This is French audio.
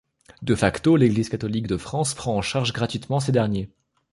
De facto, l'Église catholique de France prend en charge gratuitement ces derniers.